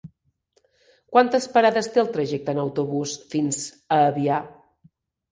Quantes parades té el trajecte en autobús fins a Avià?